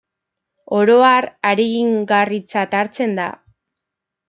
Oro har, aringarritzat hartzen da.